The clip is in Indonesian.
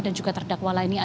dan juga terdakwa lainnya